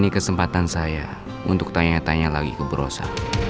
ini kesempatan saya untuk tanya tanya lagi ke brosa